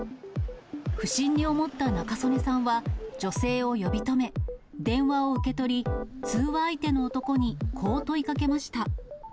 不審に思った仲宗根さんは、女性を呼び止め、電話を受け取り、通話相手の男にこう問いかけました。